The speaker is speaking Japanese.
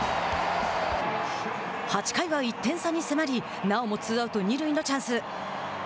８回は１点差に迫りなおもツーアウト、二塁のチャンス。